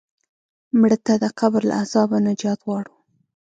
مړه ته د قبر له عذابه نجات غواړو